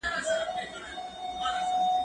زه هره ورځ سبا ته پلان جوړوم!.